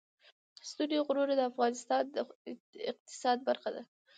ستوني غرونه د افغانستان د اقتصاد برخه ده.